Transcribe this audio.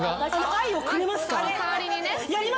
愛をくれますか？